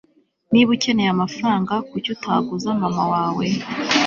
niba ukeneye amafaranga, kuki utaguza mama wawe